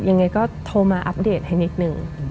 ยังไงก็โทรมา่ายให้นิดหนึ่ง